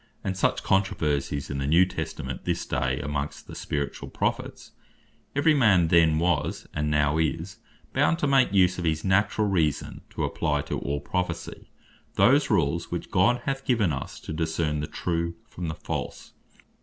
and such controversies in the New Testament at this day, amongst the Spirituall Prophets: Every man then was, and now is bound to make use of his Naturall Reason, to apply to all Prophecy those Rules which God hath given us, to discern the true from the false.